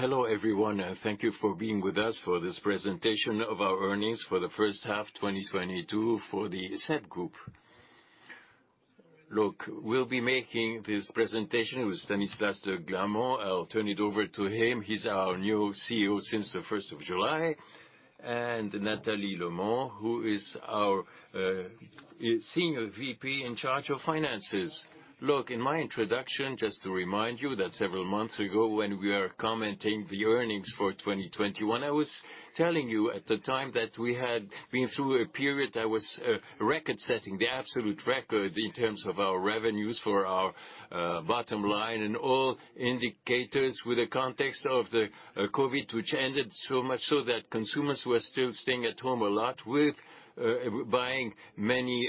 Hello, everyone, and thank you for being with us for this presentation of our earnings for the first half, 2022, for Groupe SEB. Look, we'll be making this presentation with Stanislas de Gramont. I'll turn it over to him. He's our new CEO since the 1st of July, and Nathalie Lomon, who is our Senior VP in charge of finances. Look, in my introduction, just to remind you that several months ago, when we are commenting the earnings for 2021, I was telling you at the time that we had been through a period that was record-setting, the absolute record in terms of our revenues for our bottom line and all indicators with the context of the COVID, which ended so much so that consumers were still staying at home a lot with buying many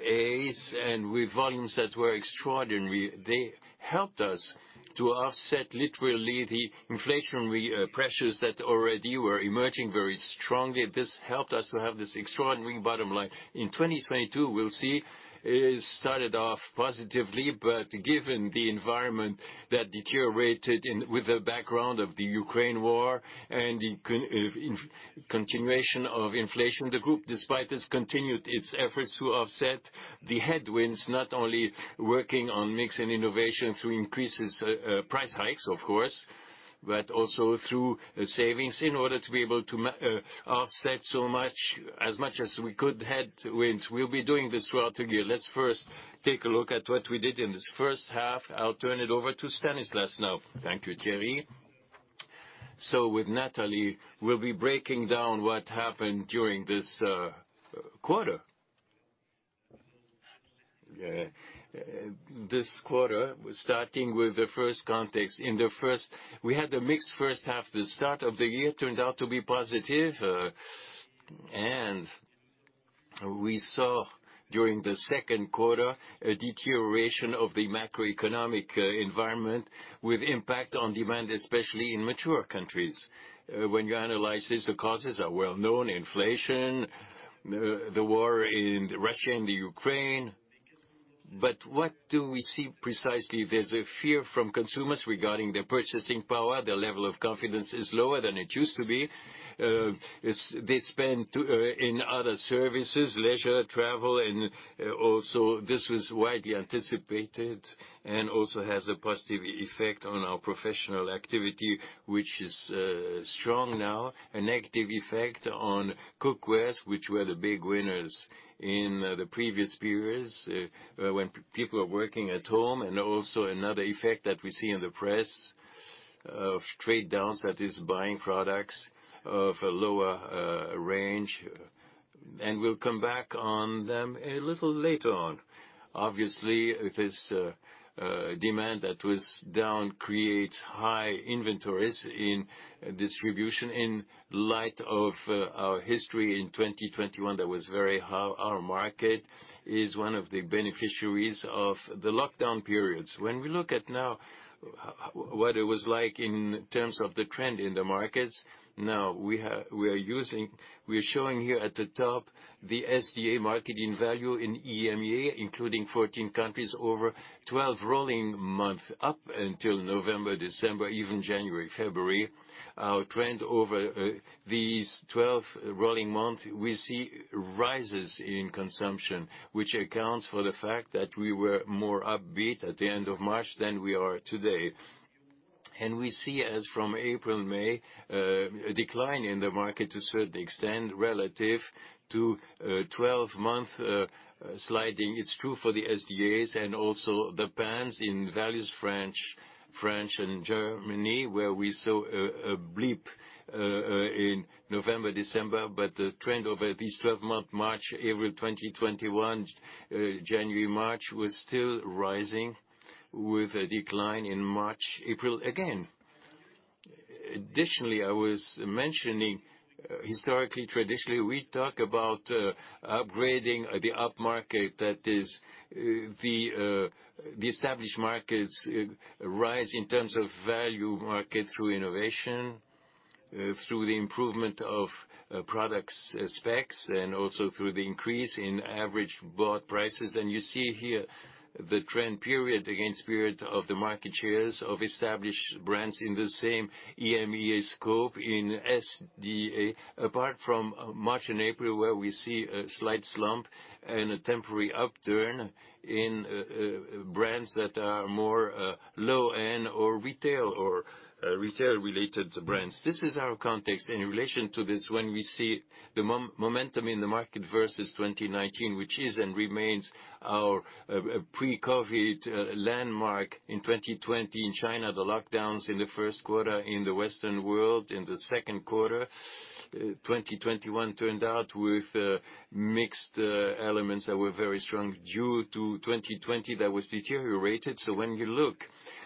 SDAs, and with volumes that were extraordinary. They helped us to offset literally the inflationary pressures that already were emerging very strongly. This helped us to have this extraordinary bottom line. In 2022, we'll see. It started off positively. Given the environment that deteriorated in, with the background of the Ukraine war and continuation of inflation, the group, despite this, continued its efforts to offset the headwinds, not only working on mix and innovation through increases, price hikes, of course, but also through savings in order to be able to offset so much, as much as we could headwinds. We'll be doing this throughout the year. Let's first take a look at what we did in this first half. I'll turn it over to Stanislas now. Thank you, Thierry. With Nathalie, we'll be breaking down what happened during this quarter, starting with the first context. In the first, we had a mixed first half. The start of the year turned out to be positive, and we saw during the second quarter a deterioration of the macroeconomic environment with impact on demand, especially in mature countries. When you analyze this, the causes are well known, inflation, the war in Russia and the Ukraine. What do we see precisely? There's a fear from consumers regarding their purchasing power. Their level of confidence is lower than it used to be. It's they spend too in other services, leisure, travel, and also this was widely anticipated and also has a positive effect on our professional activity, which is strong now. A negative effect on cookware, which were the big winners in the previous periods, when people are working at home. Also another effect that we see in the pressure of trading down, that is buying products of a lower range. We'll come back on them a little later on. Obviously, this demand that was down creates high inventories in distribution. In light of our history in 2021 that was very high, our market is one of the beneficiaries of the lockdown periods. When we look at what it was like in terms of the trend in the markets, we are showing here at the top the SDA market in value in EMEA, including 14 countries over 12 rolling months, up until November, December, even January, February. Our trend over these 12 rolling months, we see rises in consumption, which accounts for the fact that we were more upbeat at the end of March than we are today. We see as from April, May a decline in the market to a certain extent relative to 12-month sliding. It's true for the SDAs and also the pans in value, France and Germany, where we saw a blip in November, December. The trend over these 12 months, March, April 2021, January, March, was still rising with a decline in March, April again. Additionally, I was mentioning historically, traditionally, we talk about upgrading the upmarket, that is, the established markets' rise in terms of value market through innovation through the improvement of products' specs and also through the increase in average bought prices. You see here the trend period-against-period of the market shares of established brands in the same EMEA scope in SDA. Apart from March and April, where we see a slight slump and a temporary upturn in brands that are more low-end or retail or retail-related brands. This is our context. In relation to this, when we see the month-over-month momentum in the market versus 2019, which is and remains our pre-COVID landmark. In 2020 in China, the lockdowns in the first quarter in the Western world, in the second quarter, 2021 turned out with mixed elements that were very strong due to 2020 that was deteriorated. When you look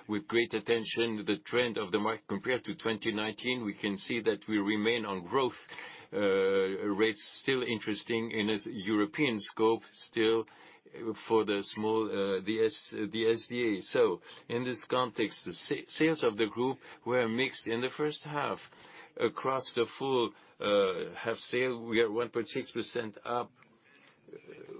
with great attention, the trend of the market compared to 2019, we can see that we remain on growth rates still interesting in a European scope, still for the small, the SDA. In this context, the sales of the group were mixed in the first half. Across the full, half sale, we are 1.6% up.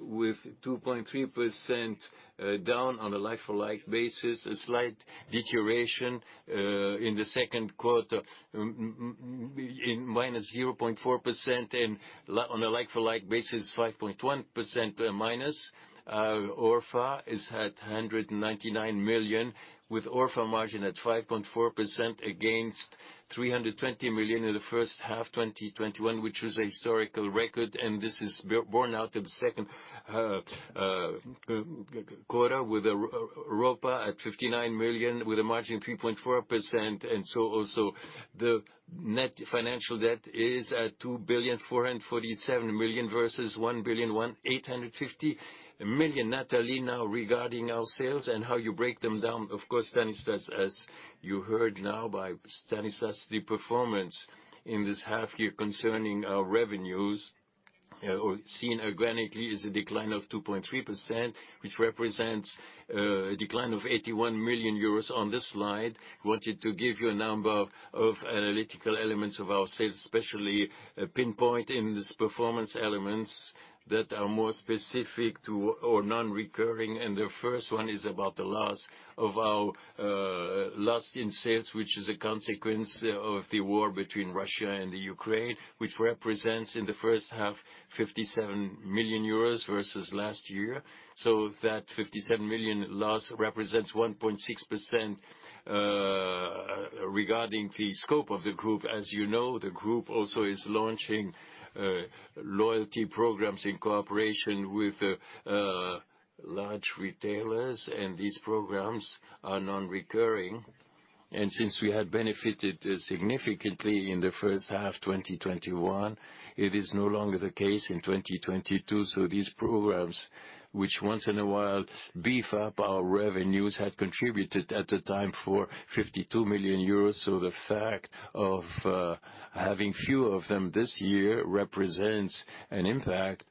With 2.3% down on a like-for-like basis, a slight deterioration in the second quarter in -0.4% and on a like-for-like basis, 5.1%-. ORfA is at 199 million with ORfA margin at 5.4% against 320 million in the first half 2021, which was a historical record, and this is borne out in the second quarter with a ORfA at 59 million with a margin of 3.4%. Also, the net financial debt is at 2,447 million versus 1,185 million. Nathalie, now regarding our sales and how you break them down. Of course, Stanislas, as you heard now by Stanislas, the performance in this half year concerning our revenues organically is a decline of 2.3% which represents a decline of 81 million euros on this slide. Wanted to give you a number of analytical elements of our sales, especially, pinpoint in this performance elements that are more specific to or non-recurring. The first one is about the loss in sales, which is a consequence of the war between Russia and Ukraine, which represents in the first half 57 million euros versus last year. That 57 million loss represents 1.6% regarding the scope of the group. As you know, the group also is launching loyalty programs in cooperation with large retailers, and these programs are non-recurring. Since we had benefited significantly in the first half 2021, it is no longer the case in 2022. These programs, which once in a while beef up our revenues, had contributed at the time for 52 million euros. The fact of having few of them this year represents an impact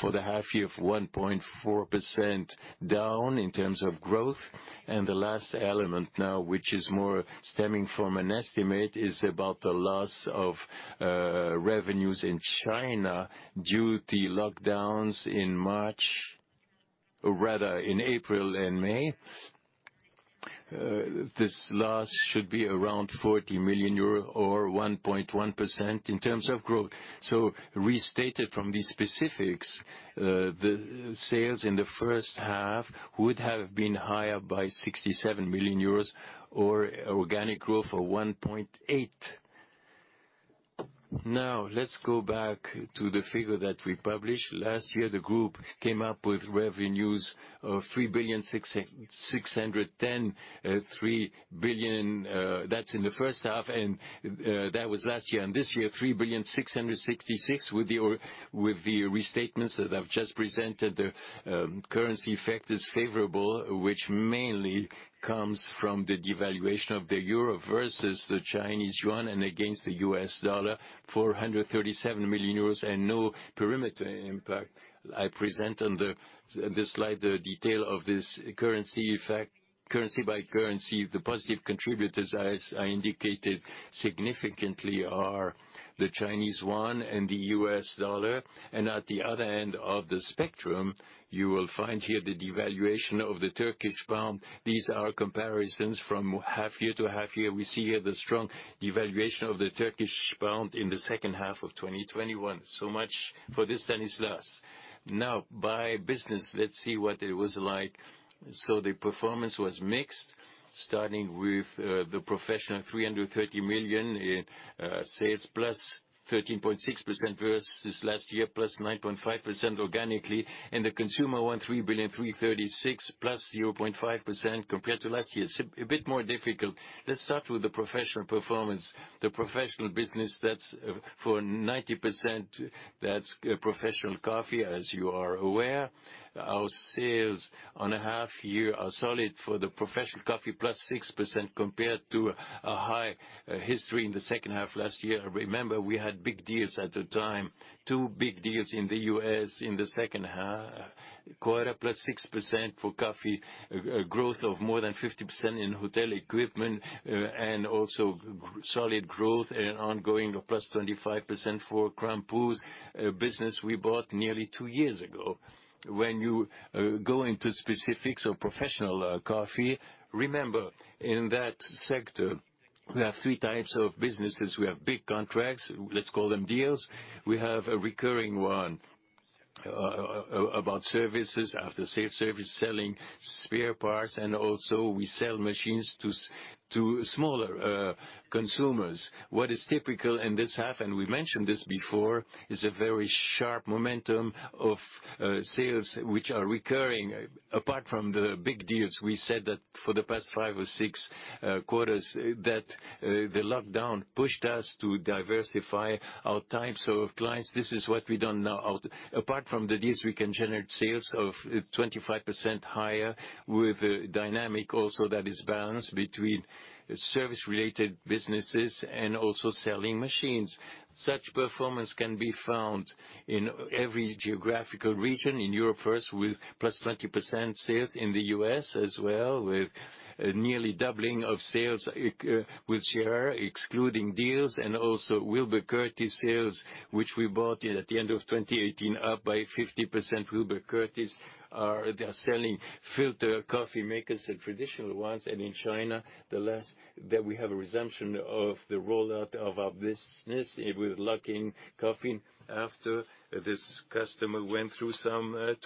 for the half year of 1.4% down in terms of growth. The last element now, which is more stemming from an estimate, is about the loss of revenues in China due to lockdowns in March, rather in April and May. This loss should be around 40 million euro or 1.1% in terms of growth. Restated from these specifics, the sales in the first half would have been higher by 67 million euros or organic growth of 1.8%. Now, let's go back to the figure that we published. Last year, the group came up with revenues of 3.661 billion, that's in the first half and that was last year. This year, 3,666 million with the restatements that I've just presented. The currency effect is favorable, which mainly comes from the devaluation of the euro versus the Chinese yuan and against the U.S. dollar, 437 million euros and no perimeter impact. I present on this slide the detail of this currency effect currency by currency. The positive contributors, as I indicated, significantly are the Chinese yuan and the U.S. dollar. At the other end of the spectrum, you will find here the devaluation of the Turkish pound. These are comparisons from half year to half year. We see here the strong devaluation of the Turkish pound in the second half of 2021. Much for this, Stanislas. Now, by business, let's see what it was like. The performance was mixed, starting with the professional, 330 million in sales +13.6% versus last year +9.5% organically, and the consumer 1.336 billion +0.5% compared to last year. A bit more difficult. Let's start with the professional performance. The professional business, that's for 90%, that's Professional Coffee, as you are aware. Our sales for the half year are solid for the Professional Coffee, +6% compared to a high base in the second half last year. Remember, we had big deals at the time, two big deals in the U.S. in the second half quarter, +6% for coffee, growth of more than 50% in hotel equipment, and also solid growth and ongoing of +25% for Krampouz, a business we bought nearly two years ago. When you go into specifics of professional coffee, remember, in that sector, we have three types of businesses. We have big contracts, let's call them deals. We have a recurring one, about services, after sales service, selling spare parts, and also we sell machines to smaller consumers. What is typical in this half, and we mentioned this before, is a very sharp momentum of sales which are recurring. Apart from the big deals, we said that for the past 5 or 6 quarters that the lockdown pushed us to diversify our types of clients. This is what we've done now. Apart from the deals, we can generate sales of 25% higher with a dynamic also that is balanced between service-related businesses and also selling machines. Such performance can be found in every geographical region in Europe first with +20% sales in the U.S. as well, with nearly doubling of sales with GR excluding deals and also Wilbur Curtis sales, which we bought at the end of 2018, up by 50%. Wilbur Curtis are selling filter coffee makers and traditional ones. In China, the latest that we have a resumption of the rollout of our business with Luckin Coffee after this customer went through some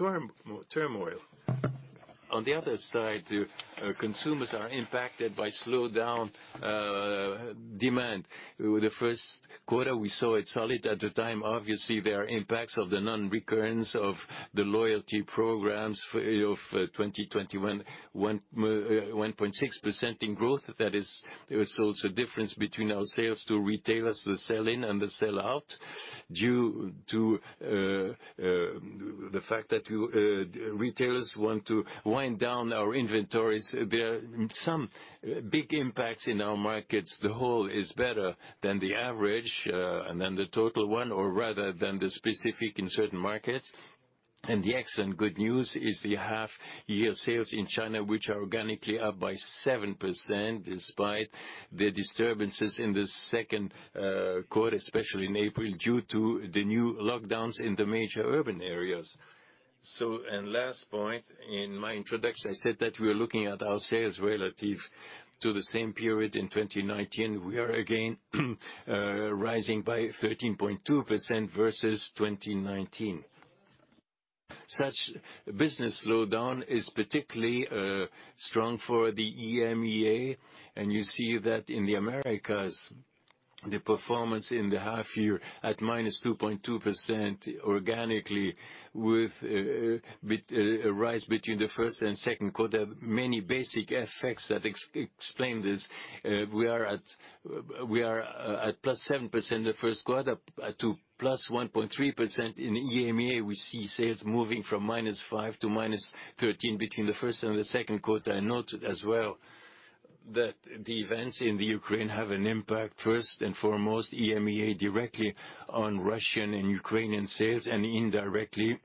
turmoil. On the other side, the consumers are impacted by slowdown in demand. In the first quarter, we saw it solid at the time. Obviously, there are impacts of the non-recurrence of the loyalty programs of 2021. 1.6% in growth, that is, there was also a difference between our sales to retailers, the sell-in and the sell-out, due to the fact that retailers want to wind down our inventories. There are some big impacts in our markets. The whole is better than the average, and then the total one or rather than the specific in certain markets. The excellent good news is the half-year sales in China, which are organically up by 7% despite the disturbances in the second quarter, especially in April, due to the new lockdowns in the major urban areas. The last point, in my introduction, I said that we are looking at our sales relative to the same period in 2019. We are again rising by 13.2% versus 2019. The business slowdown is particularly strong for the EMEA, and you see that in the Americas, the performance in the half-year at -2.2% organically with a rise between the first and second quarter. Many basic effects that explain this. We are at +7% the first quarter up to +1.3%. In EMEA, we see sales moving from -5% to -13% between the first and the second quarter. I noted as well that the events in Ukraine have an impact, first and foremost, EMEA directly on Russian and Ukrainian sales and indirectly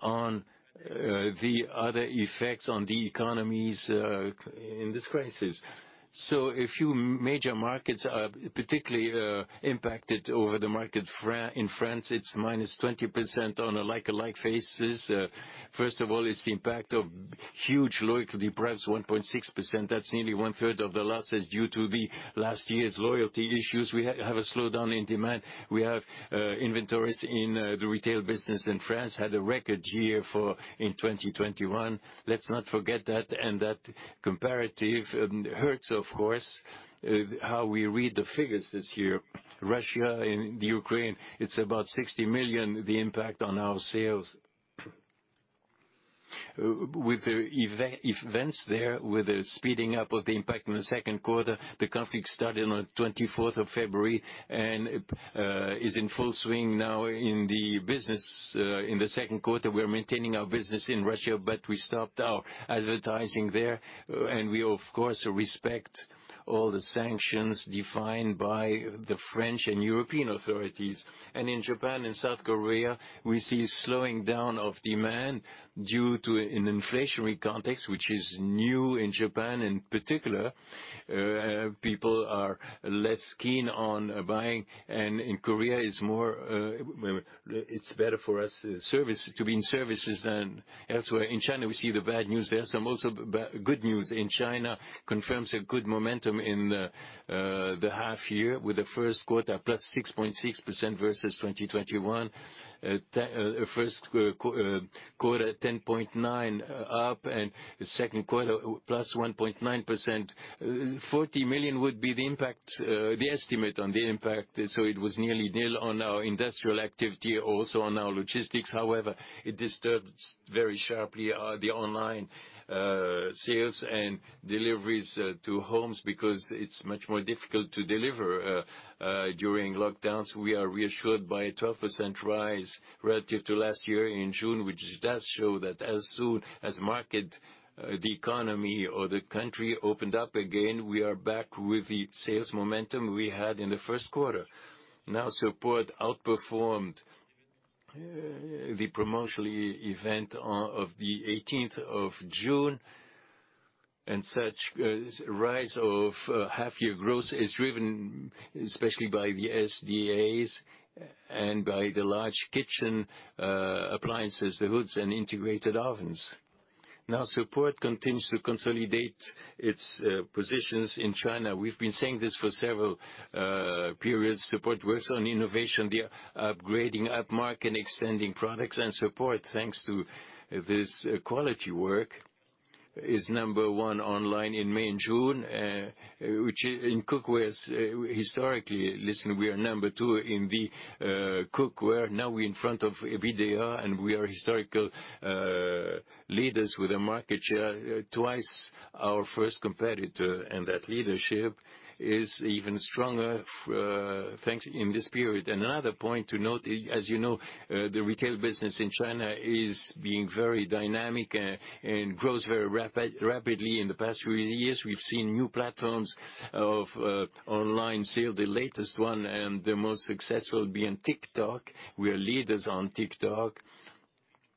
on the other effects on the economies in this crisis. A few major markets are particularly impacted. In the market in France, it's -20% on a like-for-like basis. First of all, it's the impact of huge loyalty programs, 1.6%. That's nearly one-third of the losses due to last year's loyalty issues. We have a slowdown in demand. We have inventories in the retail business in France had a record year in 2021. Let's not forget that, and that comparative hurts, of course, how we read the figures this year. Russia and the Ukraine, it's about 60 million, the impact on our sales. With the events there, with the speeding up of the impact in the second quarter, the conflict started on 24th of February and is in full swing now in the business. In the second quarter, we're maintaining our business in Russia, but we stopped our advertising there. We of course respect all the sanctions defined by the French and European authorities. In Japan and South Korea, we see slowing down of demand due to an inflationary context which is new in Japan in particular. People are less keen on buying, and in Korea it's more, it's better for us, service, to be in services than elsewhere. In China, we see the bad news there. Some also good news in China confirms a good momentum in the half year with the first quarter up +6.6% versus 2021. First quarter 10.9% up and the second quarter up +1.9%. 40 million would be the impact, the estimate on the impact, so it was nearly nil on our industrial activity, also on our logistics. However, it disturbs very sharply the online sales and deliveries to homes because it's much more difficult to deliver during lockdowns. We are reassured by a 12% rise relative to last year in June, which does show that as soon as the economy or the country opened up again, we are back with the sales momentum we had in the first quarter. Supor outperformed the promotional event on the 18th of June, and such rise of half-year growth is driven especially by the SDAs and by the large kitchen appliances, the hoods and integrated ovens. Supor continues to consolidate its positions in China. We've been saying this for several periods. Supor works on innovation. They are upgrading upmarket and extending products and Supor. Thanks to this quality work, Supor is number one online in May and June, which in cookware historically, listen, we are number two in the cookware. Now we're in front of Midea, and we are historical leaders with a market share twice our first competitor, and that leadership is even stronger thanks in this period. Another point to note, as you know, the retail business in China is being very dynamic and grows very rapidly. In the past few years, we've seen new platforms of online sales, the latest one and the most successful being TikTok. We are leaders on TikTok,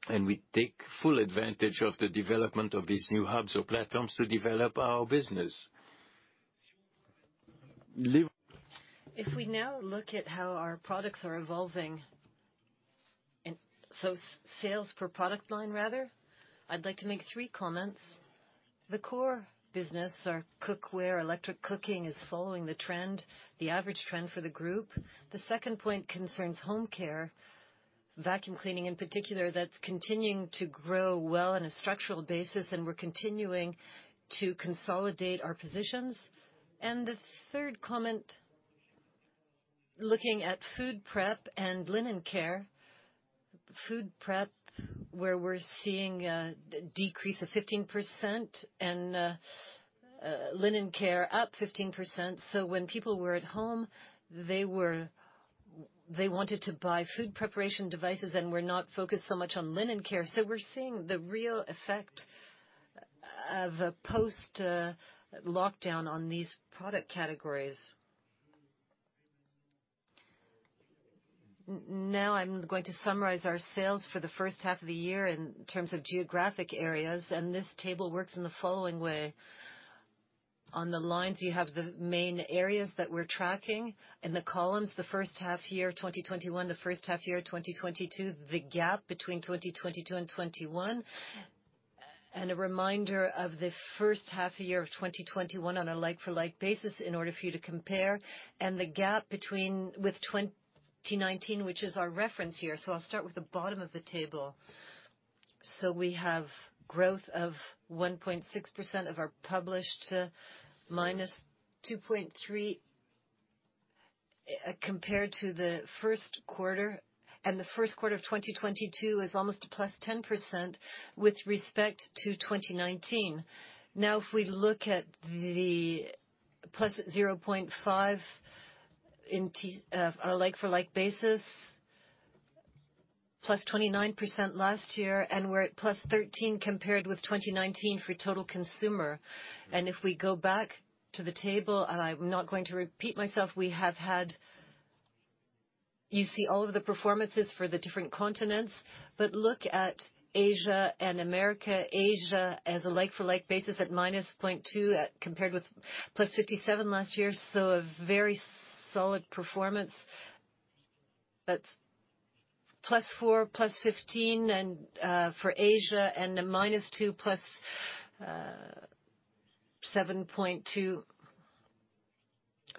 and we take full advantage of the development of these new hubs or platforms to develop our business. If we now look at how our products are evolving, sales per product line rather, I'd like to make three comments. The core business, our Cookware, electrical cooking, is following the trend, the average trend for the group. The second point concerns Home Care, vacuum cleaning in particular. That's continuing to grow well on a structural basis, and we're continuing to consolidate our positions. The third comment, looking at food prep and Linen Care. Food prep, where we're seeing a decrease of 15%, and linen care up 15%. When people were at home, they wanted to buy food preparation devices and were not focused so much on linen care. We're seeing the real effect of post-lockdown on these product categories. Now I'm going to summarize our sales for the first half of the year in terms of geographic areas, and this table works in the following way. On the lines, you have the main areas that we're tracking. In the columns, the first half year, 2021, the first half year, 2022, the gap between 2022 and 2021. A reminder of the first half year of 2021 on a like-for-like basis in order for you to compare, and the gap between with 2019, which is our reference here. I'll start with the bottom of the table. We have growth of 1.6% of our published, -2.3, compared to the first quarter. The first quarter of 2022 is almost a +10% with respect to 2019. Now, if we look at the +0.5 on a like-for-like basis, +29% last year, and we're at +13 compared with 2019 for total consumer. If we go back to the table, and I'm not going to repeat myself, we have had. You see all of the performances for the different continents. Look at Asia and America. Asia on a like-for-like basis at -0.2, compared with +57 last year. A very solid performance. That's plus four, +15, and for Asia, and a minus two,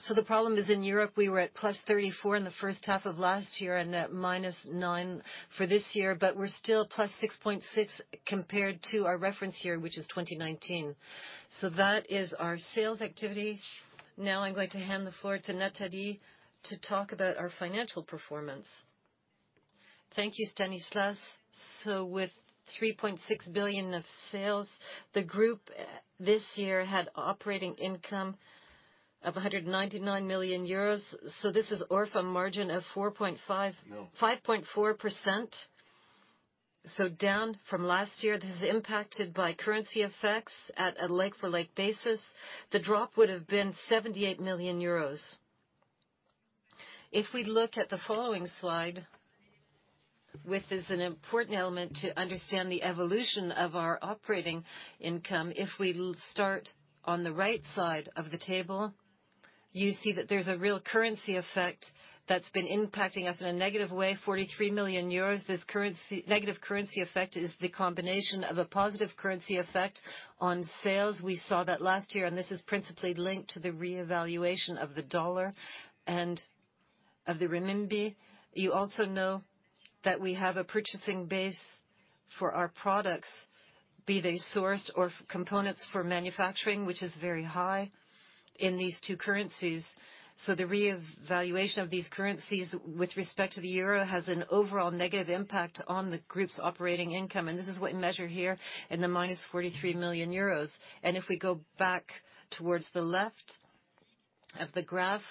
+7.2. The problem is in Europe, we were at +34 in the first half of last year and at plus nine for this year, but we're still +6.6 compared to our reference year, which is 2019. That is our sales activity. Now I'm going to hand the floor to Nathalie to talk about our financial performance. Thank you, Stanislas. With 3.6 billion of sales, the group this year had operating income of 199 million euros. This is ORfA margin of 5.4%. Down from last year. This is impacted by currency effects. At a like-for-like basis, the drop would have been 78 million euros. If we look at the following slide, which is an important element to understand the evolution of our operating income, if we start on the right side of the table, you see that there's a real currency effect that's been impacting us in a negative way, 43 million euros. This negative currency effect is the combination of a positive currency effect on sales. We saw that last year, and this is principally linked to the reevaluation of the U.S. dollar and of the renminbi. You also know that we have a purchasing base for our products, be they sourced or components for manufacturing, which is very high in these two currencies. The reevaluation of these currencies with respect to the euro has an overall negative impact on the group's operating income, and this is what we measure here in the -43 million euros. If we go back towards the left of the graph,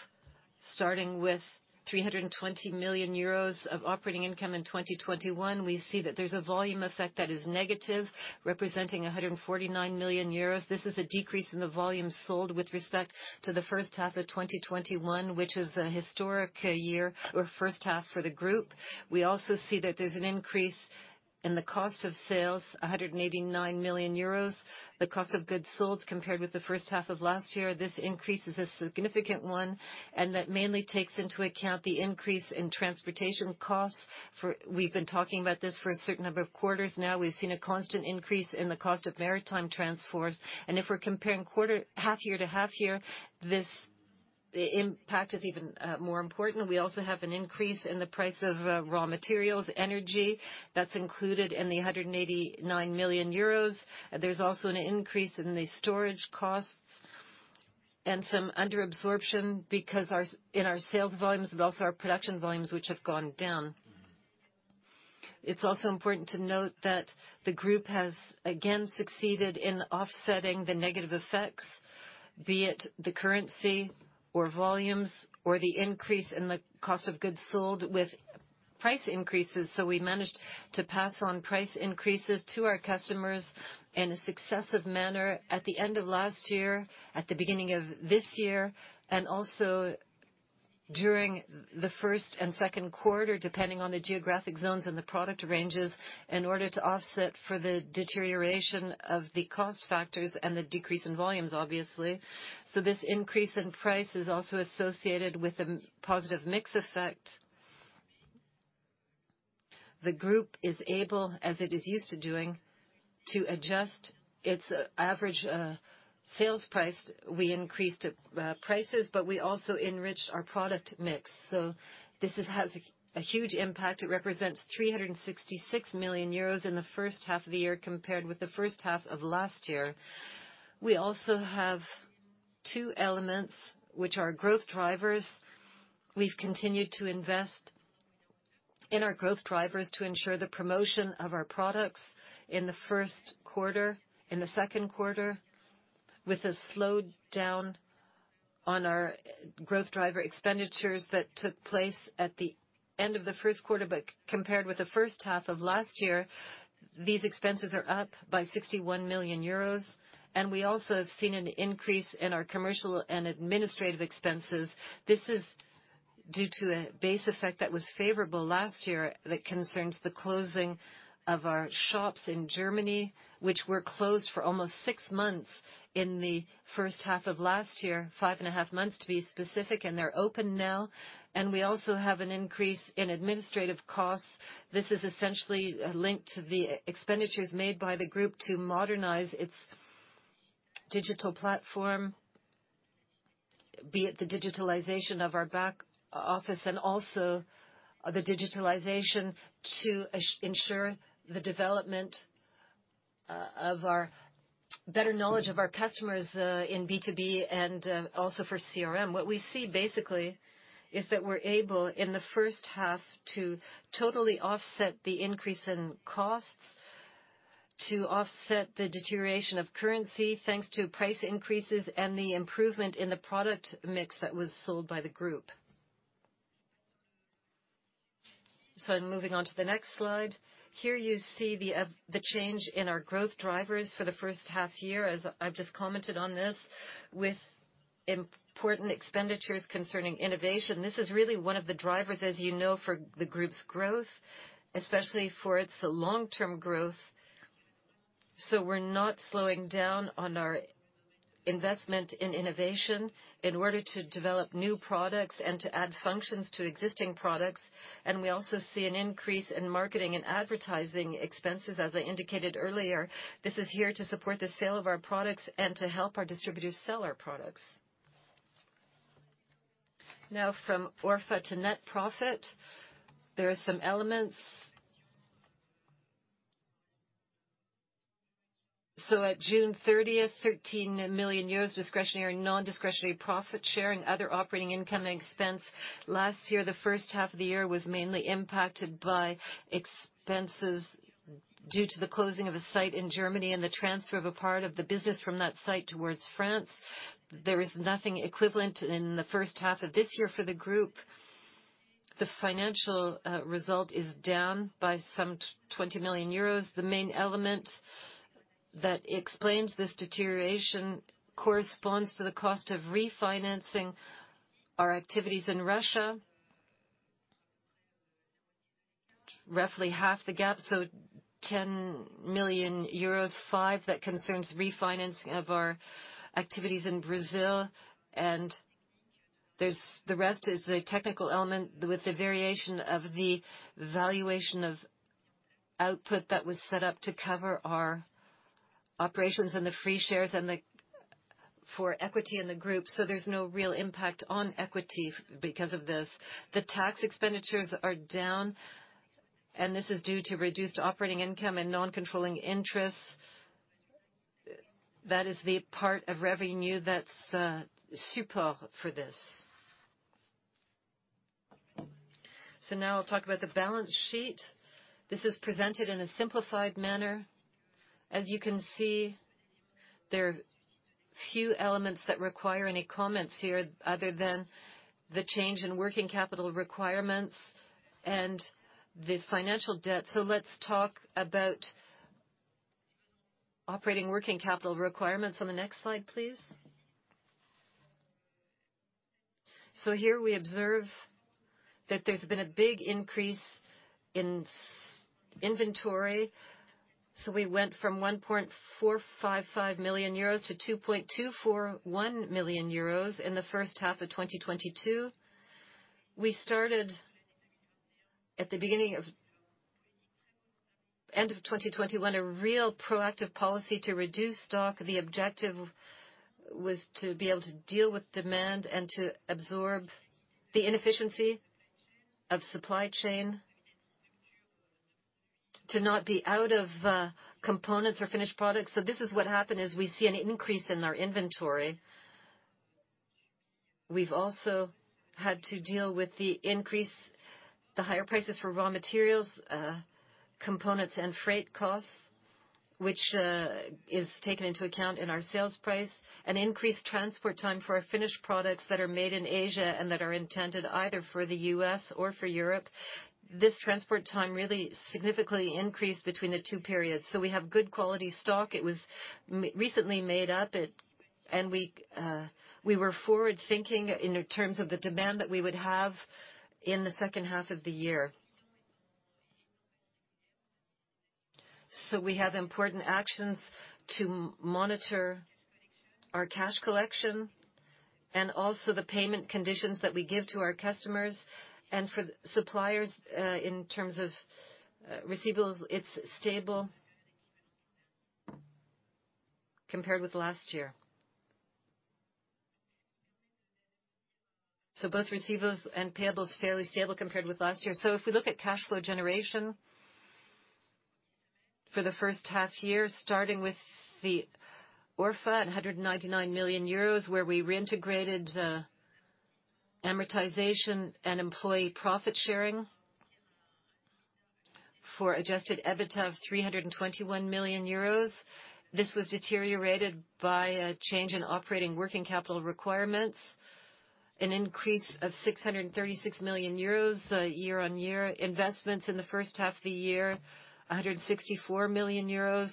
starting with 320 million euros of operating income in 2021, we see that there's a volume effect that is negative, representing 149 million euros. This is a decrease in the volume sold with respect to the first half of 2021, which is a historic year or first half for the group. We also see that there's an increase in the cost of sales, 189 million euros. The cost of goods sold compared with the first half of last year. This increase is a significant one, and that mainly takes into account the increase in transportation costs. We've been talking about this for a certain number of quarters now. We've seen a constant increase in the cost of maritime transports. If we're comparing quarter, half year to half year, this impact is even more important. We also have an increase in the price of raw materials, energy that's included in the 189 million euros. There's also an increase in the storage costs and some under-absorption because in our sales volumes, but also our production volumes, which have gone down. It's also important to note that the group has again succeeded in offsetting the negative effects, be it the currency or volumes or the increase in the cost of goods sold with price increases. We managed to pass on price increases to our customers in a successive manner at the end of last year, at the beginning of this year, and also during the first and second quarter, depending on the geographic zones and the product ranges, in order to offset for the deterioration of the cost factors and the decrease in volumes, obviously. This increase in price is also associated with a positive mix effect. The group is able, as it is used to doing, to adjust its average sales price. We increased prices, but we also enriched our product mix. This has a huge impact. It represents 366 million euros in the first half of the year compared with the first half of last year. We also have two elements which are growth drivers. We've continued to invest in our growth drivers to ensure the promotion of our products in the first quarter, in the second quarter, with a slowdown on our growth driver expenditures that took place at the end of the first quarter. Compared with the first half of last year, these expenses are up by 61 million euros. We also have seen an increase in our commercial and administrative expenses. This is due to a base effect that was favorable last year that concerns the closing of our shops in Germany, which were closed for almost six months in the first half of last year, five and a half months, to be specific. They're open now. We also have an increase in administrative costs. This is essentially linked to the expenditures made by the group to modernize its digital platform, be it the digitalization of our back-office and also the digitalization to ensure the development of our better knowledge of our customers, in B2B and also for CRM. What we see basically is that we're able, in the first half, to totally offset the increase in costs, to offset the deterioration of currency thanks to price increases and the improvement in the product mix that was sold by the group. Moving on to the next slide. Here you see the change in our growth drivers for the first half year, as I've just commented on this, with important expenditures concerning innovation. This is really one of the drivers, as you know, for the group's growth, especially for its long-term growth. We're not slowing down on our investment in innovation in order to develop new products and to add functions to existing products. We also see an increase in marketing and advertising expenses, as I indicated earlier. This is here to support the sale of our products and to help our distributors sell our products. Now from ORfA to net profit, there are some elements. At June 30th, 13 million euros discretionary, non-discretionary profit sharing, other operating income and expense. Last year, the first half of the year was mainly impacted by expenses due to the closing of a site in Germany and the transfer of a part of the business from that site towards France. There is nothing equivalent in the first half of this year for the group. The financial result is down by some 20 million euros. The main element that explains this deterioration corresponds to the cost of refinancing our activities in Russia. Roughly half the gap, so 10 million euros, 5 million that concerns refinancing of our activities in Brazil. The rest is the technical element with the variation of the valuation of output that was set up to cover our operations and the free shares and the for equity in the group. There's no real impact on equity because of this. The tax expenditures are down, and this is due to reduced operating income and non-controlling interests. That is the part of revenue that's support for this. Now I'll talk about the balance sheet. This is presented in a simplified manner. As you can see, there are few elements that require any comments here other than the change in working capital requirements and the financial debt. Let's talk about operating working capital requirements on the next slide, please. Here we observe that there's been a big increase in inventory. We went from 1.455 million euros to 2.241 million euros in the first half of 2022. We started at the end of 2021, a real proactive policy to reduce stock. The objective was to be able to deal with demand and to absorb the inefficiency of supply chain, to not be out of components or finished products. This is what happened, is we see an increase in our inventory. We've also had to deal with the increase, the higher prices for raw materials, components, and freight costs, which is taken into account in our sales price. An increased transport time for our finished products that are made in Asia and that are intended either for the U.S. or for Europe. This transport time really significantly increased between the two periods. We have good quality stock. It was recently made up. We were forward-thinking in terms of the demand that we would have in the second half of the year. We have important actions to monitor our cash collection and also the payment conditions that we give to our customers and for suppliers, in terms of, receivables, it's stable compared with last year. Both receivables and payables fairly stable compared with last year. If we look at cash flow generation for the first half year, starting with the ORfA at 199 million euros, where we reintegrated amortization and employee profit sharing. For Adjusted EBITDA of 321 million euros. This was deteriorated by a change in operating working capital requirements, an increase of 636 million euros year-on-year investments in the first half of the year, 164 million euros.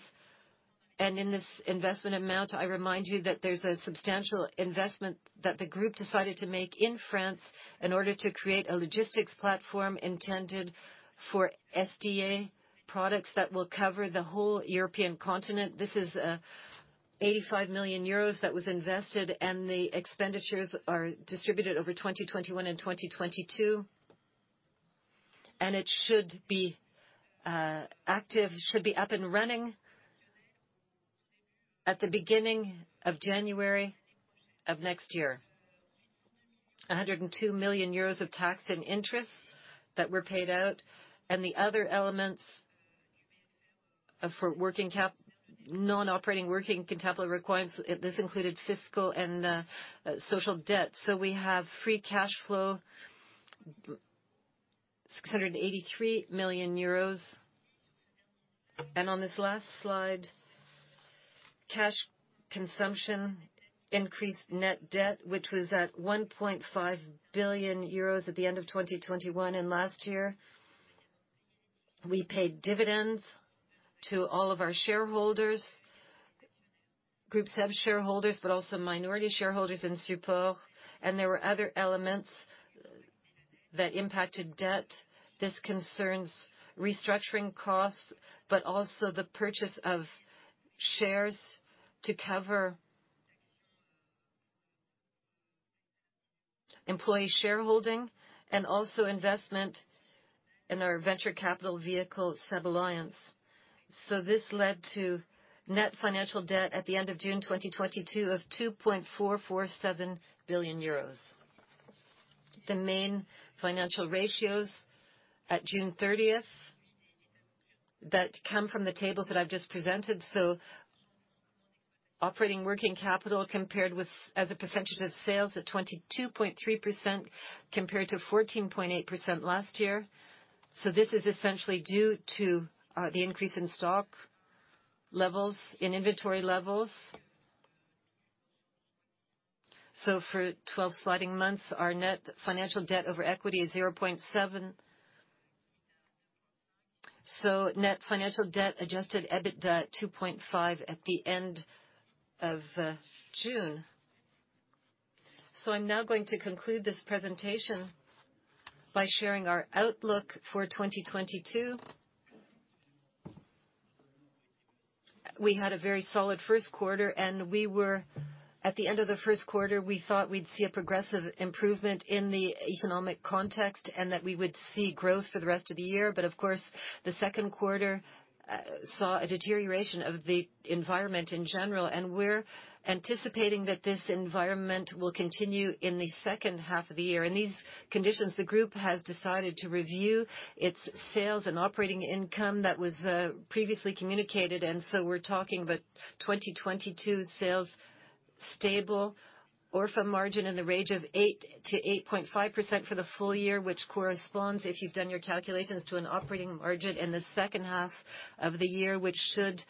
In this investment amount, I remind you that there's a substantial investment that the group decided to make in France in order to create a logistics platform intended for SDA products that will cover the whole European continent. This is 85 million euros that was invested, and the expenditures are distributed over 2021 and 2022. It should be active and up and running at the beginning of January of next year. 102 million euros of tax and interest that were paid out and the other elements for non-operating working capital requirements. This included fiscal and social debt. We have free cash flow, 683 million euros. On this last slide, cash consumption increased net debt, which was at 1.5 billion euros at the end of 2021 and last year. We paid dividends to all of our shareholders. Groupe SEB has shareholders, but also minority shareholders in Supor. There were other elements that impacted debt. This concerns restructuring costs, but also the purchase of shares to cover employee shareholding and investment in our venture capital vehicle, SEB Alliance. This led to net financial debt at the end of June 2022 of 2.447 billion euros. The main financial ratios at June 30th that come from the table that I've just presented. Operating working capital compared with as a percentage of sales at 22.3%, compared to 14.8% last year. This is essentially due to the increase in stock levels, in inventory levels. For 12 sliding months, our net financial debt over equity is 0.7. Net financial debt Adjusted EBITDA 2.5 at the end of June. I'm now going to conclude this presentation by sharing our outlook for 2022. We had a very solid first quarter, and at the end of the first quarter, we thought we'd see a progressive improvement in the economic context and that we would see growth for the rest of the year. Of course, the second quarter saw a deterioration of the environment in general, and we're anticipating that this environment will continue in the second half of the year. In these conditions, the group has decided to review its sales and operating income that was previously communicated, and so we're talking about 2022 sales stable, ORfA margin in the range of 8%-8.5% for the full year, which corresponds, if you've done your calculations, to an operating margin in the second half of the year, which should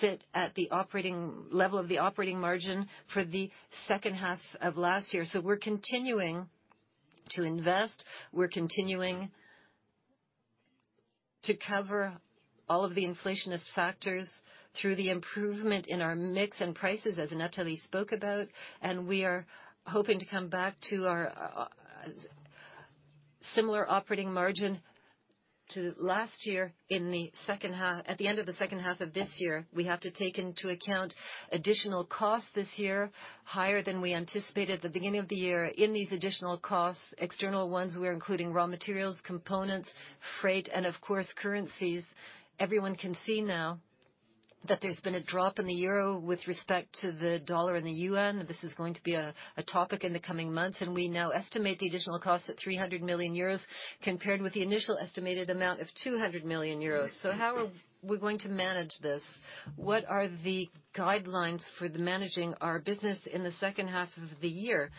sit at the operating level of the operating margin for the second half of last year. We're continuing to invest. We're continuing to cover all of the inflationary factors through the improvement in our mix and prices, as Nathalie spoke about, and we are hoping to come back to our similar operating margin to last year in the second half at the end of the second half of this year. We have to take into account additional costs this year, higher than we anticipated at the beginning of the year. In these additional costs, external ones, we are including raw materials, components, freight, and of course currencies. Everyone can see now that there's been a drop in the euro with respect to the dollar and the yuan. This is going to be a topic in the coming months, and we now estimate the additional cost at 300 million euros compared with the initial estimated amount of 200 million euros. How are we going to manage this? What are the guidelines for managing our business in the second half of the year?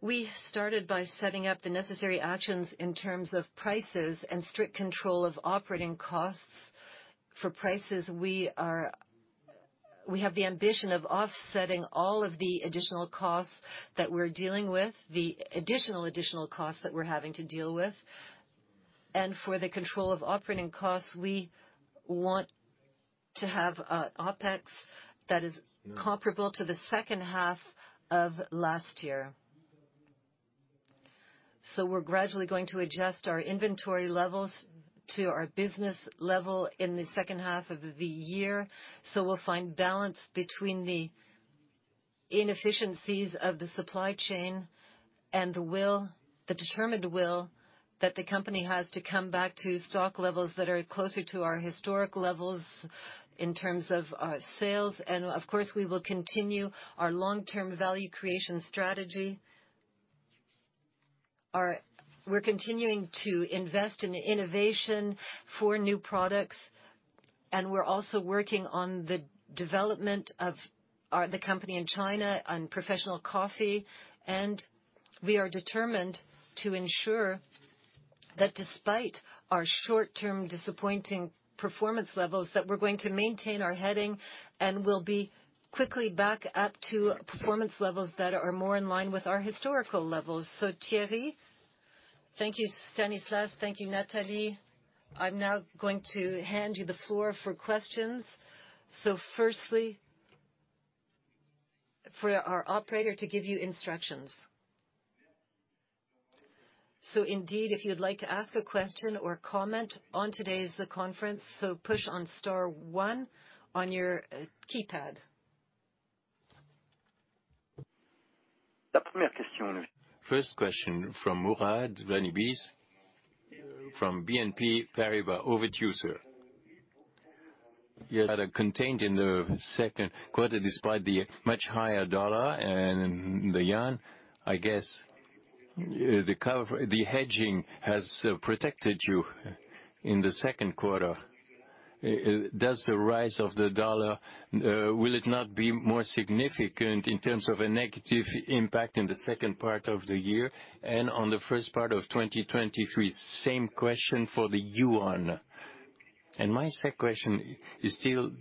We started by setting up the necessary actions in terms of prices and strict control of operating costs. For prices, we have the ambition of offsetting all of the additional costs that we're dealing with, the additional costs that we're having to deal with. For the control of operating costs, we want to have OpEx that is comparable to the second half of last year. We're gradually going to adjust our inventory levels to our business level in the second half of the year. We'll find balance between the inefficiencies of the supply chain and the determined will that the company has to come back to stock levels that are closer to our historic levels in terms of sales. Of course, we will continue our long-term value creation strategy. We're continuing to invest in innovation for new products, and we're also working on the development of the company in China on professional coffee. We are determined to ensure that despite our short-term disappointing performance levels, that we're going to maintain our heading, and we'll be quickly back up to performance levels that are more in line with our historical levels. Thierry? Thank you, Stanislas. Thank you, Nathalie. I'm now going to hand you the floor for questions. Firstly, for our operator to give you instructions. Indeed, if you'd like to ask a question or comment on today's conference, so press star one on your keypad. The first question from Mourad Lahmidi from BNP Paribas. Over to you, sir. Yes. That are contained in the second quarter, despite the much higher U.S. dollar and the Chinese yuan, I guess, the hedging has protected you in the second quarter. Does the rise of the U.S. dollar will it not be more significant in terms of a negative impact in the second part of the year and on the first part of 2023? Same question for the Chinese yuan. My second question is still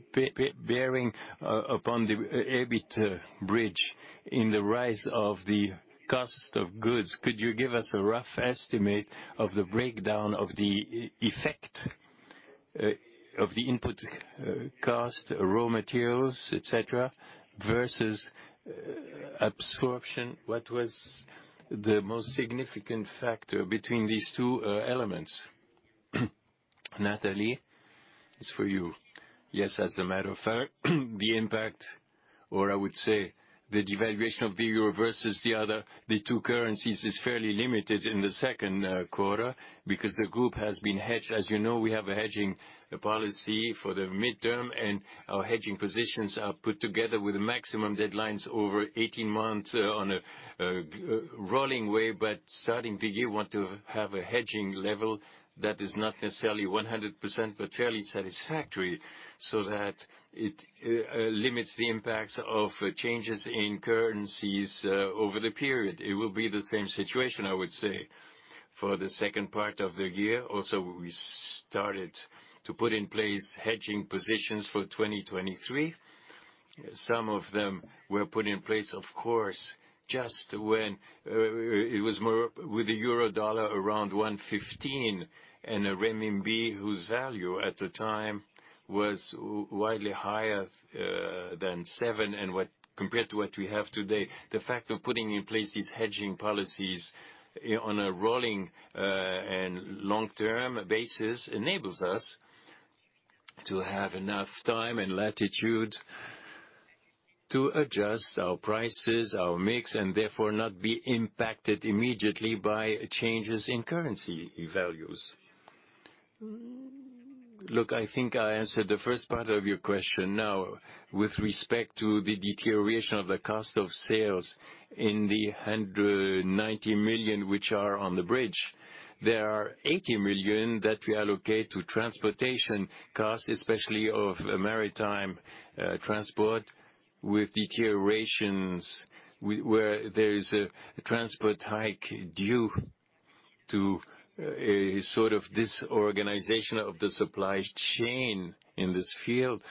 bearing upon the EBIT bridge in the rise of the cost of goods. Could you give us a rough estimate of the breakdown of the effect of the input cost, raw materials, et cetera, versus absorption? What was the most significant factor between these two elements? Nathalie, it's for you. Yes. As a matter of fact, the impact, or I would say the devaluation of the euro versus the other, the two currencies, is fairly limited in the second quarter because the group has been hedged. As you know, we have a hedging policy for the midterm, and our hedging positions are put together with maximum deadlines over 18 months on a rolling way. Starting the year, we want to have a hedging level that is not necessarily 100%, but fairly satisfactory, so that it limits the impacts of changes in currencies over the period. It will be the same situation, I would say, for the second part of the year. Also, we started to put in place hedging positions for 2023. Some of them were put in place, of course, just when it was more with the euro dollar around 115 and a renminbi whose value at the time was widely higher than seven, and compared to what we have today. The fact of putting in place these hedging policies on a rolling and long-term basis enables us to have enough time and latitude to adjust our prices, our mix, and therefore not be impacted immediately by changes in currency values. Look, I think I answered the first part of your question. With respect to the deterioration of the cost of sales in 190 million which are on the bridge, there are 80 million that we allocate to transportation costs, especially of maritime transport, with deteriorations where there is a transport hike due to a sort of disorganization of the supply chain in this field.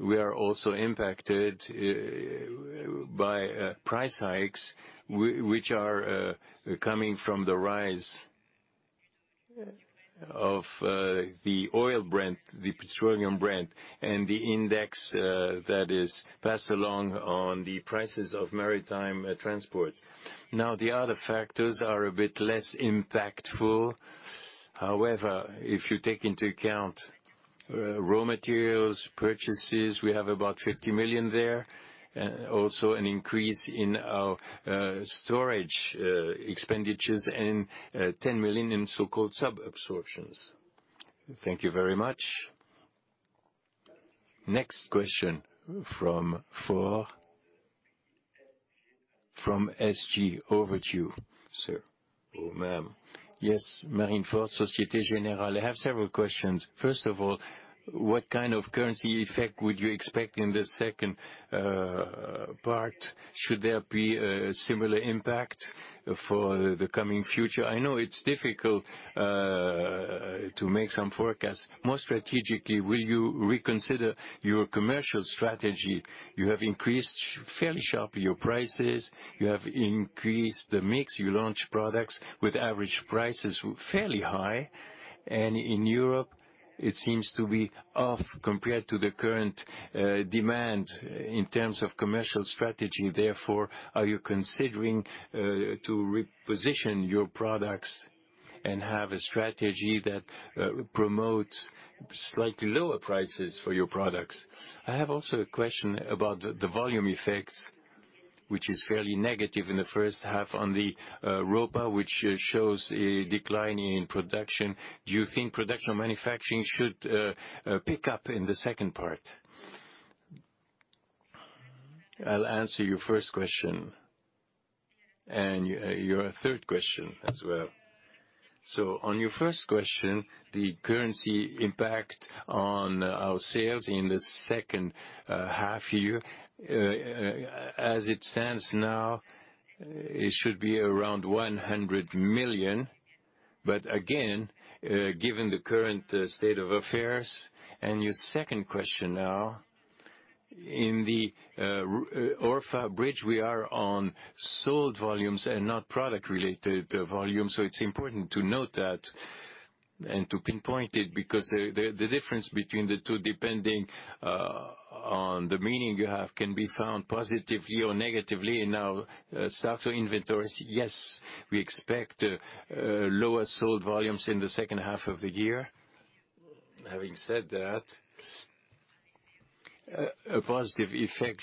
We are also impacted by price hikes which are coming from the rise of the oil Brent, the petroleum Brent, and the index that is passed along on the prices of maritime transport. The other factors are a bit less impactful. However, if you take into account raw materials purchases, we have about 50 million there. Also an increase in our storage expenditures and 10 million in so-called under-absorptions. Thank you very much. Next question from Marine Faure from SG. Over to you, sir or ma'am. Yes, Marine Faure, Société Générale. I have several questions. First of all, what kind of currency effect would you expect in the second part? Should there be a similar impact for the coming future? I know it's difficult to make some forecasts. More strategically, will you reconsider your commercial strategy? You have increased fairly sharply your prices. You have increased the mix. You launch products with average prices fairly high. In Europe, it seems to be off compared to the current demand in terms of commercial strategy. Therefore, are you considering to reposition your products? Have a strategy that promotes slightly lower prices for your products. I have also a question about the volume effects, which is fairly negative in the first half on the ORfA, which shows a decline in production. Do you think production manufacturing should pick up in the second part? I'll answer your first question and your third question as well. On your first question, the currency impact on our sales in the second half year, as it stands now, it should be around 100 million. Again, given the current state of affairs and your second question now, in the ORfA bridge, we are on sold volumes and not product-related volumes. It's important to note that and to pinpoint it, because the difference between the two depending on the meaning you have, can be found positively or negatively. Now, starting inventories, yes, we expect lower sold volumes in the second half of the year. Having said that, a positive effect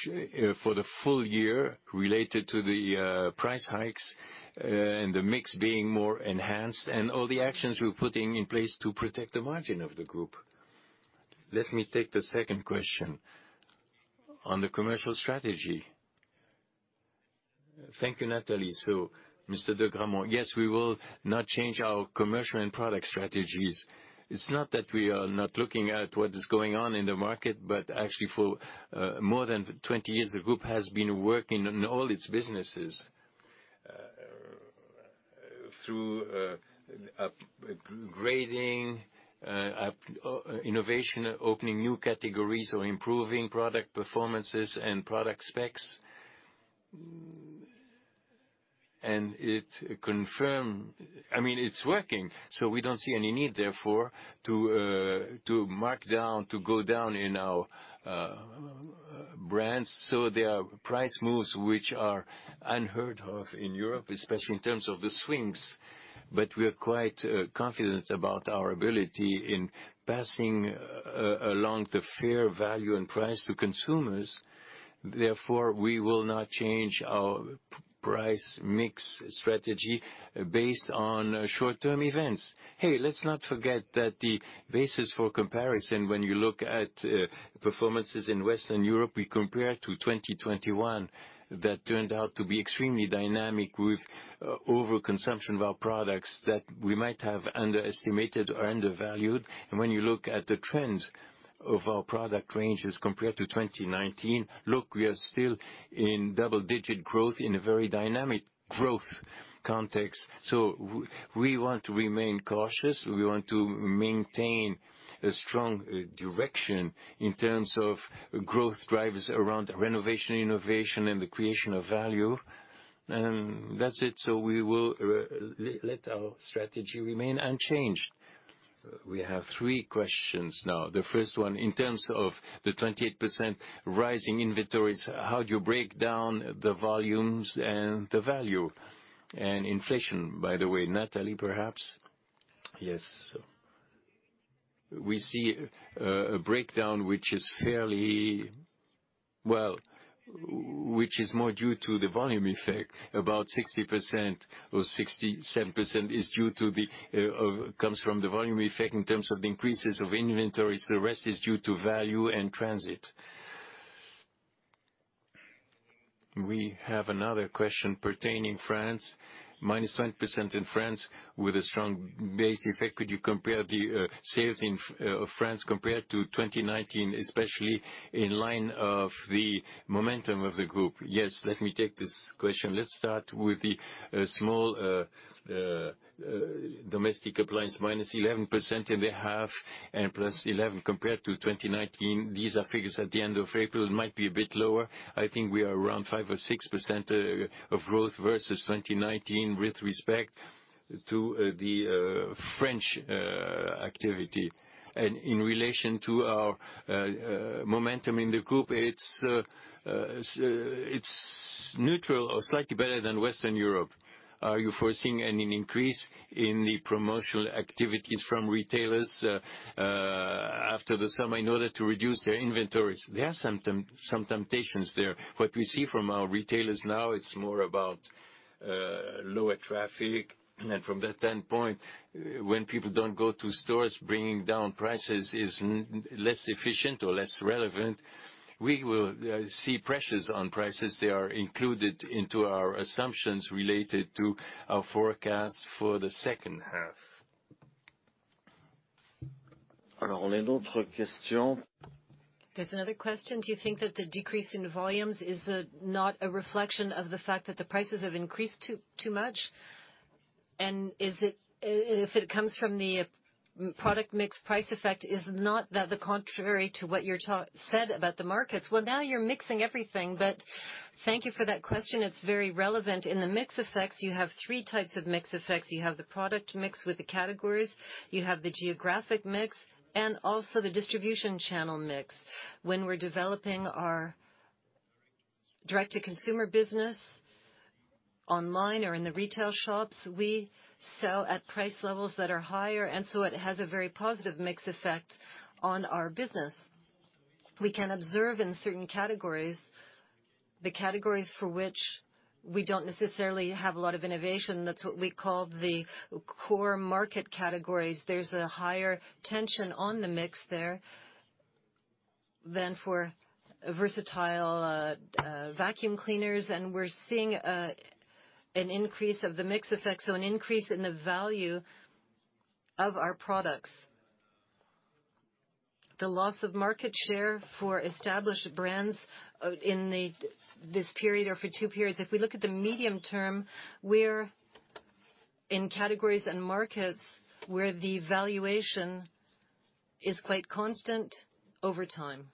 for the full year related to the price hikes and the mix being more enhanced and all the actions we're putting in place to protect the margin of the group. Let me take the second question on the commercial strategy. Thank you, Nathalie. Mr. de Gramont, yes, we will not change our commercial and product strategies. It's not that we are not looking at what is going on in the market, but actually for more than 20 years, the group has been working on all its businesses through upgrading, innovation, opening new categories or improving product performances and product specs. I mean, it's working, so we don't see any need therefore to mark down, to go down in our brands. There are price moves which are unheard of in Europe, especially in terms of the swings, but we are quite confident about our ability in passing along the fair value and price to consumers. Therefore, we will not change our price mix strategy based on short-term events. Hey, let's not forget that the basis for comparison when you look at performances in Western Europe, we compare to 2021, that turned out to be extremely dynamic with overconsumption of our products that we might have underestimated or undervalued. When you look at the trends of our product ranges compared to 2019, look, we are still in double-digit growth in a very dynamic growth context. We want to remain cautious. We want to maintain a strong direction in terms of growth drivers around renovation, innovation, and the creation of value. That's it. We will let our strategy remain unchanged. We have three questions now. The first one, in terms of the 28% rise in inventories, how do you break down the volumes and the value and inflation, by the way, Nathalie, perhaps? Yes. We see a breakdown which is more due to the volume effect. About 60% or 67% is due to the volume effect in terms of increases of inventories. The rest is due to value and transit. We have another question pertaining to France, -10% in France with a strong base effect. Could you compare the sales in France compared to 2019, especially in light of the momentum of the group? Yes. Let me take this question. Let's start with the small domestic appliance, -11% in the half and +11 compared to 2019. These are figures at the end of April. It might be a bit lower. I think we are around 5% or 6% of growth versus 2019 with respect to the French activity. In relation to our momentum in the group, it's neutral or slightly better than Western Europe. Are you foreseeing any increase in the promotional activities from retailers after the summer in order to reduce their inventories? There are some temptations there. What we see from our retailers now is more about lower traffic. From that standpoint, when people don't go to stores, bringing down prices is less efficient or less relevant. We will see pressures on prices. They are included into our assumptions related to our forecast for the second half. There's another question. Do you think that the decrease in volumes is not a reflection of the fact that the prices have increased too much? Is it, if it comes from the product mix price effect, not that the contrary to what you're said about the markets? Well, now you're mixing everything, but thank you for that question. It's very relevant. In the mix effects, you have three types of mix effects. You have the product mix with the categories, you have the geographic mix, and also the distribution channel mix. When we're developing our direct-to-consumer business, online or in the retail shops, we sell at price levels that are higher, and so it has a very positive mix effect on our business. We can observe in certain categories, the categories for which we don't necessarily have a lot of innovation. That's what we call the core market categories. There's a higher tension on the mix there than for versatile vacuum cleaners. We're seeing an increase of the mix effect, so an increase in the value of our products. The loss of market share for established brands in this period or for two periods, if we look at the medium-term, we're in categories and markets where the valuation is quite constant over time.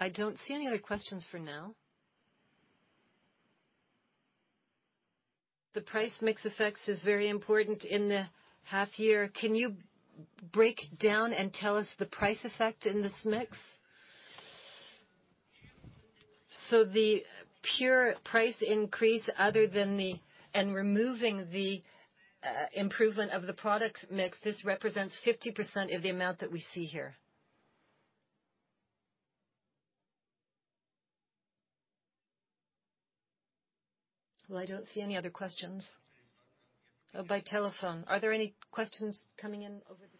I don't see any other questions for now. The price mix effects is very important in the half year. Can you break down and tell us the price effect in this mix? So the pure price increase other than the. And removing the improvement of the products mix, this represents 50% of the amount that we see here. Well, I don't see any other questions. Oh, by telephone. Are there any questions coming in over the.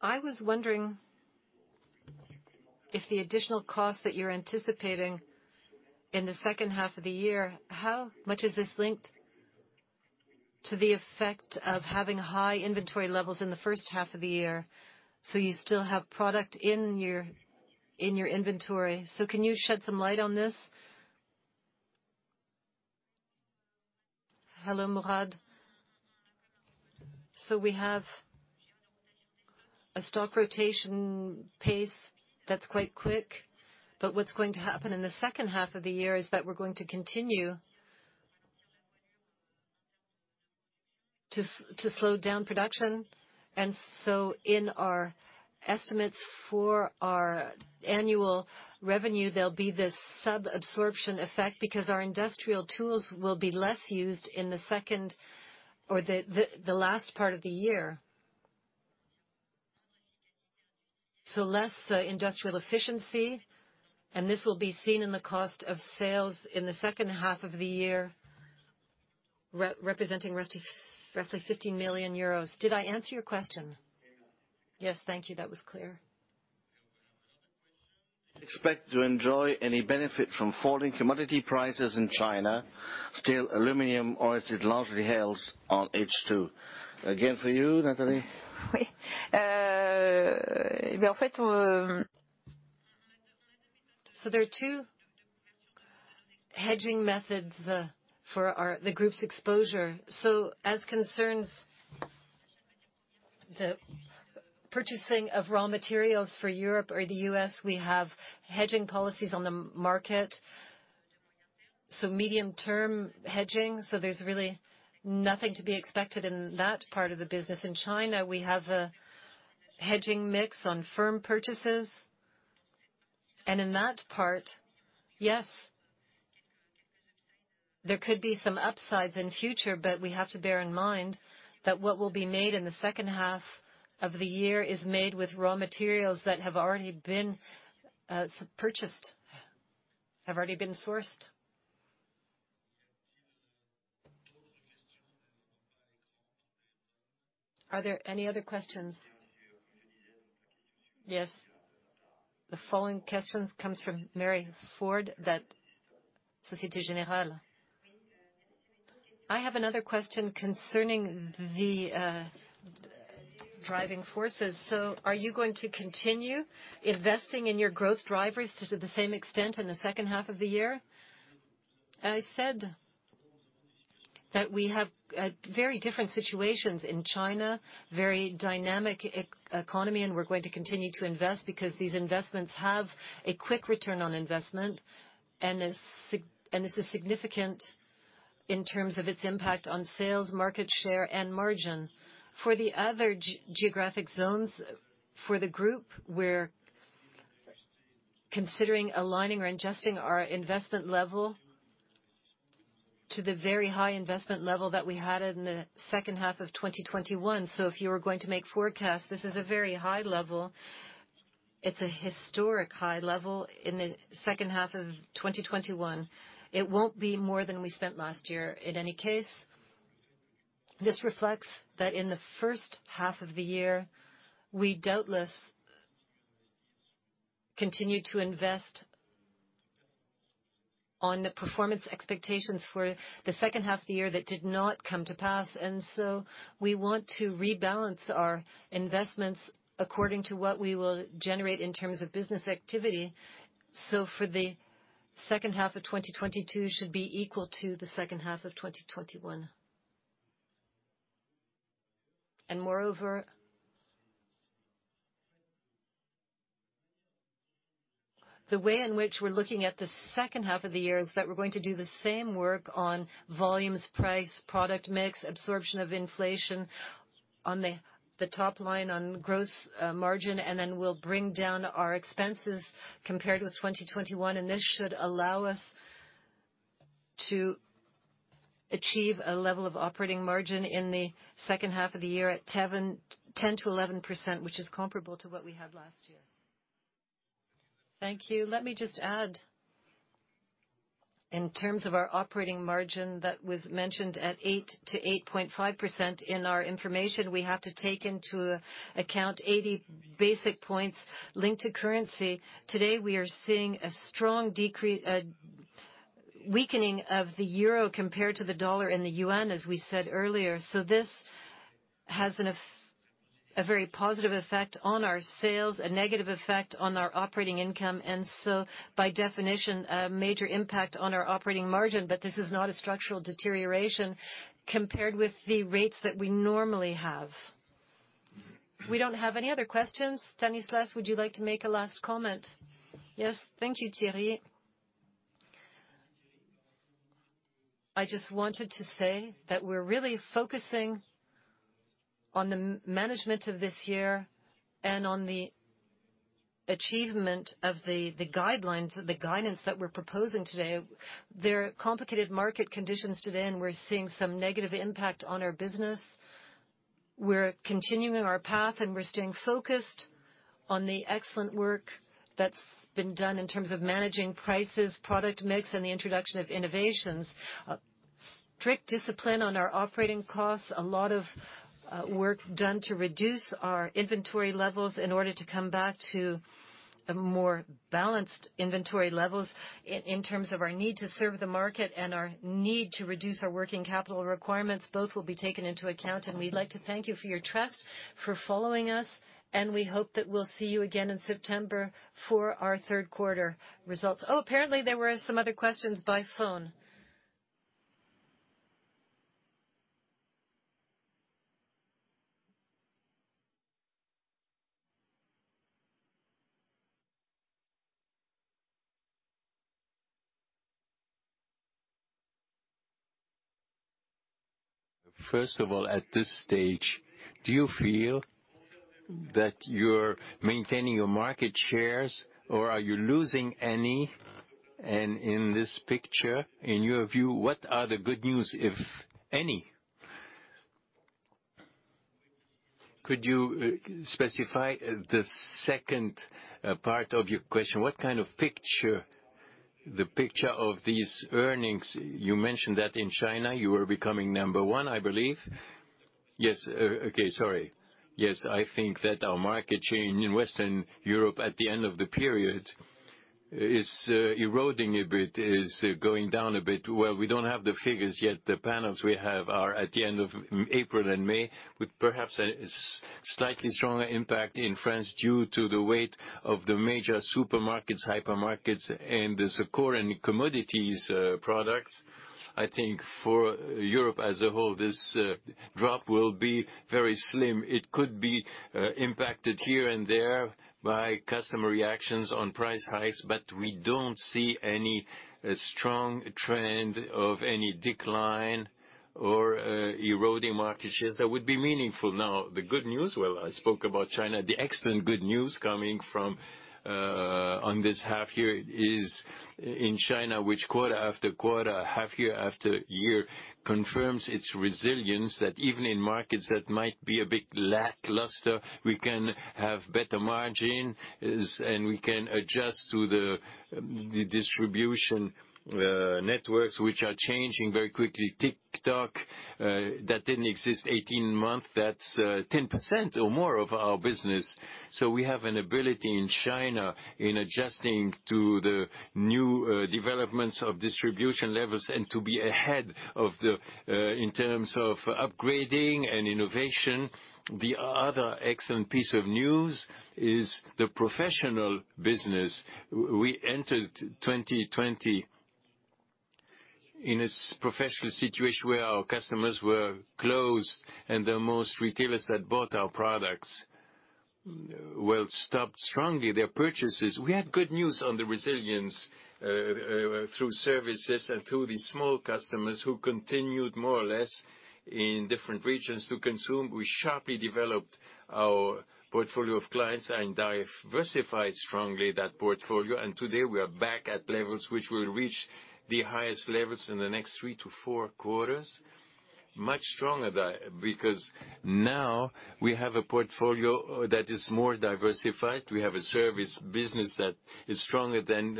I was wondering if the additional cost that you're anticipating in the second half of the year, how much is this linked to the effect of having high inventory levels in the first half of the year, so you still have product in your inventory. Can you shed some light on this? Hello, Mourad. We have a stock rotation pace that's quite quick, but what's going to happen in the second half of the year is that we're going to continue to slow down production. In our estimates for our annual revenue, there'll be this sub-absorption effect because our industrial tools will be less used in the second or the last part of the year. Less industrial efficiency, and this will be seen in the cost of sales in the second half of the year representing roughly 15 million euros. Did I answer your question? Yes. Yes. Thank you. That was clear. Expect to enjoy any benefit from falling commodity prices in China, steel, aluminum, or is it largely held on H2? Again, for you, Nathalie. Oui. Mourad. There are two hedging methods for the group's exposure. As concerns the purchasing of raw materials for Europe or the U.S., we have hedging policies on the market. Medium-term hedging. There's really nothing to be expected in that part of the business. In China, we have a hedging mix on firm purchases. In that part, yes, there could be some upsides in future, but we have to bear in mind that what will be made in the second half of the year is made with raw materials that have already been purchased. Are there any other questions? Yes. The following question comes from Marine Faure at Société Générale. I have another question concerning the driving forces. Are you going to continue investing in your growth drivers to the same extent in the second half of the year? I said that we have very different situations in China, very dynamic economy, and we're going to continue to invest because these investments have a quick return on investment, and this is significant in terms of its impact on sales, market share, and margin. For the other geographic zones for the group, we're considering aligning or adjusting our investment level to the very high investment level that we had in the second half of 2021. If you were going to make forecasts, this is a very high level. It's a historic high level in the second half of 2021. It won't be more than we spent last year. In any case, this reflects that in the first half of the year, we doubtless continued to invest on the performance expectations for the second half of the year that did not come to pass. We want to rebalance our investments according to what we will generate in terms of business activity. For the second half of 2022 should be equal to the second half of 2021. Moreover, the way in which we're looking at the second half of the year is that we're going to do the same work on volumes, price, product mix, absorption of inflation on the top line, on gross margin, and then we'll bring down our expenses compared with 2021, and this should allow us to achieve a level of operating margin in the second half of the year at 10%-11%, which is comparable to what we had last year. Thank you. Let me just add, in terms of our operating margin that was mentioned at 8%-8.5% in our information, we have to take into account 80 basis points linked to currency. Today, we are seeing a strong weakening of the euro compared to the dollar and the yuan, as we said earlier. This has a very positive effect on our sales, a negative effect on our operating income, and so by definition, a major impact on our operating margin, but this is not a structural deterioration compared with the rates that we normally have. We don't have any other questions. Stanislas, would you like to make a last comment? Yes. Thank you, Thierry. I just wanted to say that we're really focusing on the management of this year and on the achievement of the guidelines, the guidance that we're proposing today. There are complicated market conditions today, and we're seeing some negative impact on our business. We're continuing our path, and we're staying focused on the excellent work that's been done in terms of managing prices, product mix, and the introduction of innovations. Strict discipline on our operating costs, a lot of work done to reduce our inventory levels in order to come back to a more balanced inventory levels in terms of our need to serve the market and our need to reduce our working capital requirements. Both will be taken into account. We'd like to thank you for your trust, for following us, and we hope that we'll see you again in September for our third quarter results. Oh, apparently, there were some other questions by phone. First of all, at this stage, do you feel that you're maintaining your market shares, or are you losing any? In this picture, in your view, what are the good news, if any? Could you specify the second part of your question? What kind of picture, the picture of these earnings? You mentioned that in China, you were becoming number one, I believe. Yes, I think that our market share in Western Europe at the end of the period is eroding a bit, is going down a bit. Well, we don't have the figures yet. The panels we have are at the end of April and May, with perhaps a slightly stronger impact in France due to the weight of the major supermarkets, hypermarkets, and the core and commodities products. I think for Europe as a whole, this drop will be very slim. It could be impacted here and there by customer reactions on price hikes, but we don't see any strong trend of any decline or eroding market shares that would be meaningful. Now, the good news, well, I spoke about China. The excellent good news coming from on this half year is in China, which quarter after quarter, half year after year confirms its resilience, that even in markets that might be a bit lackluster, we can have better margin, and we can adjust to the distribution networks which are changing very quickly. TikTok that didn't exist 18 months, that's 10% or more of our business. We have an ability in China in adjusting to the new developments of distribution levels and to be ahead of the in terms of upgrading and innovation. The other excellent piece of news is the professional business. We entered 2020 in a professional situation where our customers were closed, and the most retailers that bought our products, well, stopped strongly their purchases. We had good news on the resilience through services and through the small customers who continued more or less in different regions to consume. We sharply developed our portfolio of clients and diversified strongly that portfolio, and today we are back at levels which will reach the highest levels in the next 3-4 quarters. Much stronger because now we have a portfolio that is more diversified. We have a service business that is stronger than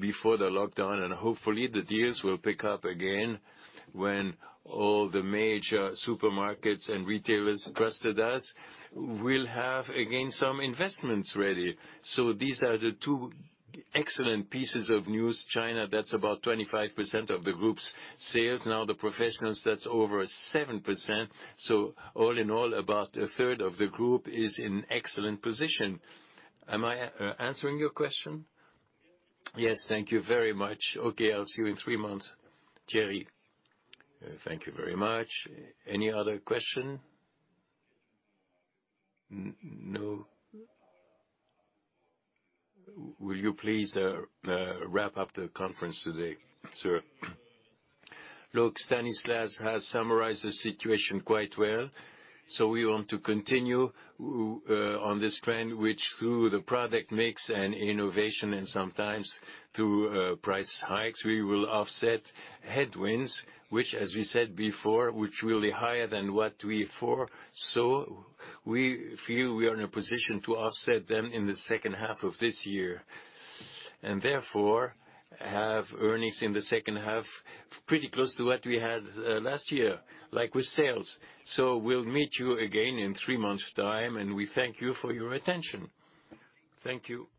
before the lockdown, and hopefully, the deals will pick up again when all the major supermarkets and retailers trusted us will have, again, some investments ready. These are the two excellent pieces of news. China, that's about 25% of the group's sales. Now the professionals, that's over 7%. All in all, about a third of the group is in excellent position. Am I answering your question? Yes. Thank you very much. Okay, I'll see you in three months. Thierry. Thank you very much. Any other question? No. Will you please wrap up the conference today, sir? Look, Stanislas has summarized the situation quite well. We want to continue on this trend, which through the product mix and innovation and sometimes through price hikes, we will offset headwinds, which as we said before, which will be higher than what we foresaw. We feel we are in a position to offset them in the second half of this year, and therefore have earnings in the second half pretty close to what we had last year, like with sales. We'll meet you again in three months' time, and we thank you for your attention. Thank you.